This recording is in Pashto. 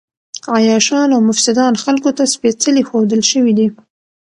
عياشان او مفسدان خلکو ته سپېڅلي ښودل شوي دي.